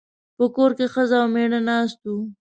په کور کې ښځه او مېړه ناست وو.